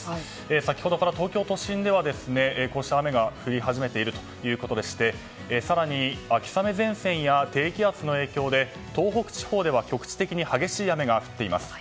先ほどから東京都心ではこうした雨が降り始めているということでして更に秋雨前線や低気圧の影響で東北地方では局地的に激しい雨が降っています。